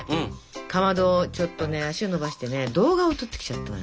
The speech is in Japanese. かまどちょっとね足をのばしてね動画を撮ってきちゃったのね。